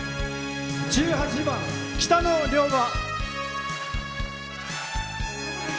１８番「北の漁場」。